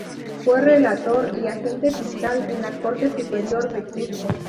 Fue relator y agente fiscal en la Corte Superior de Cusco.